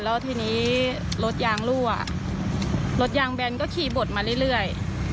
แล้วทีนี้รถยางรั่วรถยางแบนก็ขี่บดมาเรื่อย